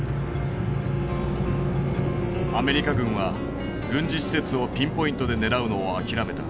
アメリカ軍は軍事施設をピンポイントで狙うのを諦めた。